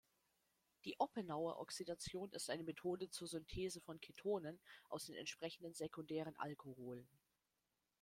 Die Oppenauer-Oxidation ist eine Methode zur Synthese von Ketonen aus den entsprechenden sekundären Alkoholen.